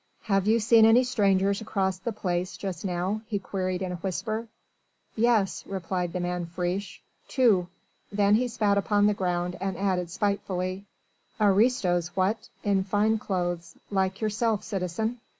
"Have you seen any strangers across the Place just now?" he queried in a whisper. "Yes," replied the man Friche. "Two!" Then he spat upon the ground and added spitefully: "Aristos, what? In fine clothes like yourself, citizen...."